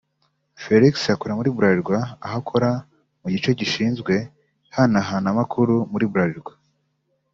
Felix akora muri Bralirwa aho akora mu gice gishinzwe ihanahanamakuru muri Bralirwa